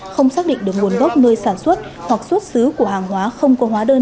không xác định được nguồn gốc nơi sản xuất hoặc xuất xứ của hàng hóa không có hóa đơn